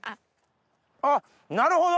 あっなるほど！